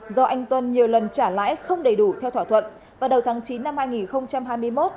do anh tuấn nhiều lần trả lãi không đầy đủ theo thỏa thuận vào đầu tháng chín năm hai nghìn hai mươi một